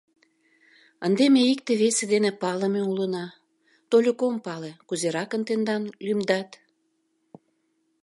Ынде ме икте-весе дене палыме улына... тольык ом пале, кузеракын тендам лӱмдат.